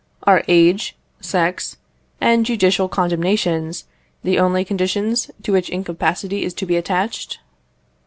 Are age, sex, and judicial condemnations the only conditions to which incapacity is to be attached?